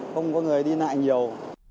không có người đi lại nhiều